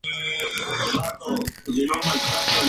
En tanto que García fue reemplazado brevemente por Ricardo Ruiz.